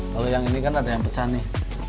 kalau yang ini kan ada yang pesan nih